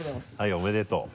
おめでとう。